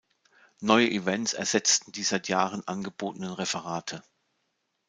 Neue Events ersetzten die seit Jahren angebotenen Referate.